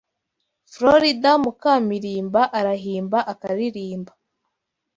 Florida muka Milimba Arahimba akaririmba